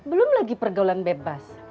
itu lagi pergaulan bebas